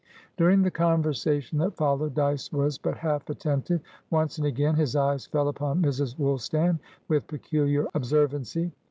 During the conversation that followed, Dyce was but half attentive. Once and again his eyes fell upon Mrs. Woolstan with peculiar observancy.